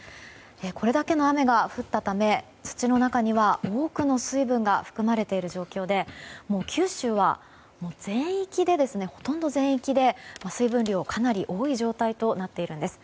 これだけの雨が降ったため土の中には多くの水分が含まれている状況で九州は、ほとんど全域で水分量、かなり多い状態となっているんです。